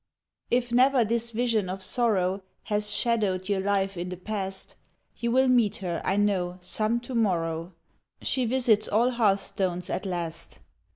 If never this vision of sorrow Has shadowed your life in the past, You will meet her, I know, some to morrow She visits all hearthstones at last.